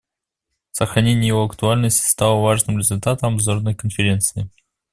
Сохранение его актуальности стало важным результатом Обзорной конференции.